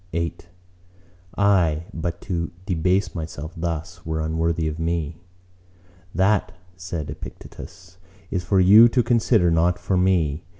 VIII "Aye, but to debase myself thus were unworthy of me." "That," said Epictetus, "is for you to consider, not for me.